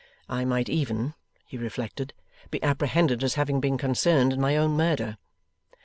'I might even,' he reflected, 'be apprehended as having been concerned in my own murder!